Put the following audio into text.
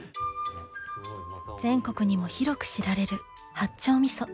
全国にも広く知られる八丁味噌。